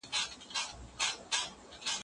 ايا انلاين درس برېښنايي وسايلو ته اړتيا لري؟